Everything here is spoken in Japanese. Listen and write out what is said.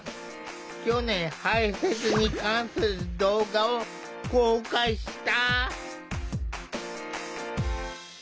去年排せつに関する動画を公開した。